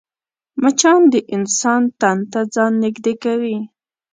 مچان د انسان تن ته ځان نږدې کوي